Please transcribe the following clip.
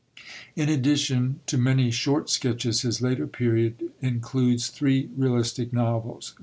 In addition to many short sketches, his later period includes three realistic novels.